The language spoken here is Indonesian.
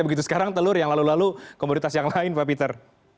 begitu sekarang telur yang lalu lalu komoditas yang lain pak peter